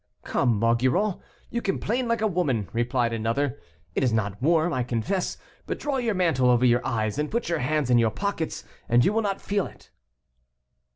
"Come, Maugiron, you complain like a woman," replied another: "it is not warm, I confess; but draw your mantle over your eyes, and put your hands in your pockets, and you will not feel it."